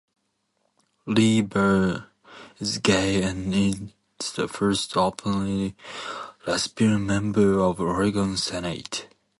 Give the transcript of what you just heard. Lieber is gay and is the first openly lesbian member of the Oregon Senate.